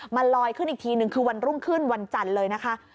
มันลอยขึ้นอีกทีนึงคือวันรุ่งขึ้นวันจันทร์เลยนะคะ